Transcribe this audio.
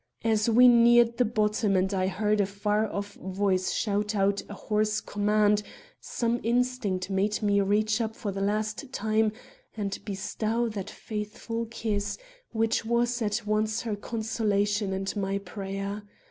As we neared the bottom and I heard a far off voice shout out a hoarse command, some instinct made me reach up for the last time and bestow that faithful kiss, which was at once her consolation and my prayer.